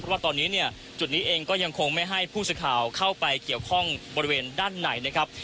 ว่าตอนนี้เนี่ยจุดนี้เองก็ยังคงไม่ให้ผู้สื่อข่าวเข้าไปเกี่ยวข้องบริเวณด้านไหนนะครับ